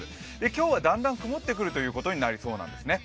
今日はだんだん曇ってくるということになりそうなんですね。